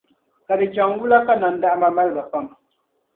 Ka di chaŋ wula ka nandahima mali ma pam?